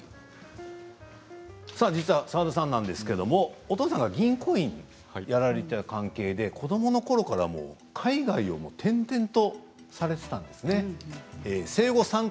澤田さんですがお父さんが銀行員をやられていた関係で子どものころから海外を転々とされていたんですね。